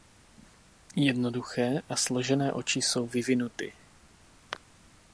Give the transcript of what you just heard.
Jednoduché a složené oči jsou vyvinuty.